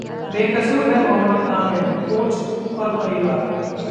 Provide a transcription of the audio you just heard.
बेकसूर हैं मोहम्मद आमिरः कोच, परिवार